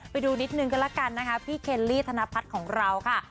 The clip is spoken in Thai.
ไปดูนิดนึงก็แล้วกันนะคะพี่เคลลี่ธนพัฒน์ของเราค่ะ